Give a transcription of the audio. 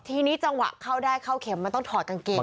ทีนี้จังหวะเข้าได้เข้าเข็มมันต้องถอดกางเกง